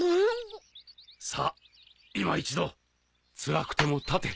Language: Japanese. さあいま一度つらくても立て。